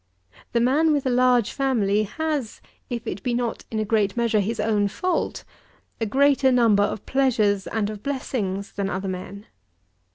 The man with a large family has, if it be not in a great measure his own fault, a greater number of pleasures and of blessings than other men.